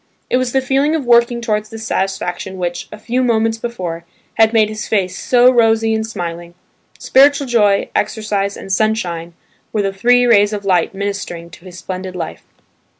It was the feeling of working towards this satisfaction which, a few moments before, had made his face so rosy and smiling; spiritual joy, exercise, and sunshine, were the three rays of light ministering to his splendid life.